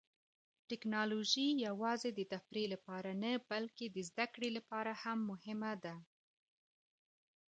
ټیکنالوژي یوازې د تفریح لپاره نه، بلکې د زده کړې لپاره هم مهمه ده.